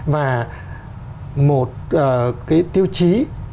và một cái tiêu chí